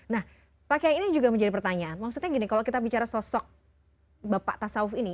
nah pak kiai ini juga menjadi pertanyaan maksudnya gini kalau kita bicara sosok bapak tasawf ini